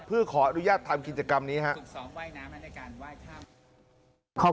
เพื่อขออนุญาตทำกิจกรรมนี้ครับ